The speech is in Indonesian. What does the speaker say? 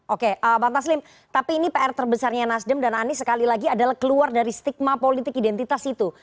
oke bang taslim tapi ini pr terbesarnya nasdem dan anies sekali lagi adalah keluar dari stigma politik identitas itu